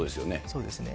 そうですね。